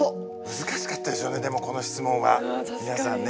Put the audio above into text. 難しかったでしょうねでもこの質問は皆さんね。